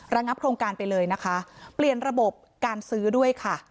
ระงับโครงการไปเลยนะคะเปลี่ยนระบบการซื้อด้วยค่ะ